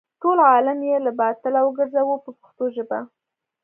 ټول عالم یې له باطله وګرځاوه په پښتو ژبه.